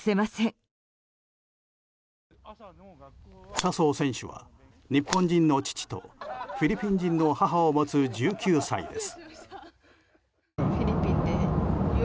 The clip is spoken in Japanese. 笹生選手は日本人の父とフィリピン人の母を持つ１９歳です。